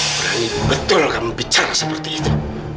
berani betul kamu bicara seperti itu